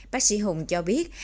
bác sĩ hùng cho biết